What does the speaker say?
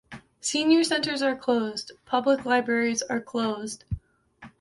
Senior centers are closed. Public libraries are closed.